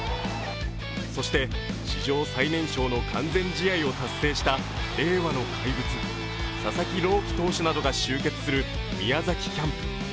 そして史上最年少の完全試合を達成した令和の怪物、佐々木朗希投手などが集結する宮崎キャンプ。